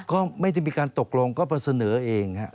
ก็ไม่ได้มีการตกลงก็ไปเสนอเองครับ